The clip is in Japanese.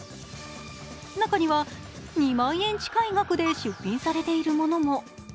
中には２万円近い額で出品されているものも。